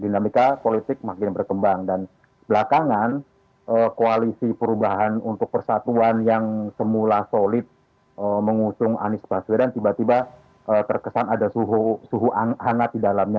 dinamika politik makin berkembang dan belakangan koalisi perubahan untuk persatuan yang semula solid mengusung anies baswedan tiba tiba terkesan ada suhu hangat di dalamnya